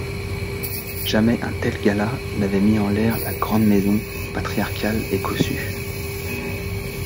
Jamais un tel gala n'avait mis en l'air la grande maison patriarcale et cossue.